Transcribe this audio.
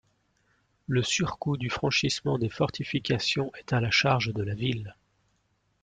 Le surcoût du franchissement des fortifications est à la charge de la ville.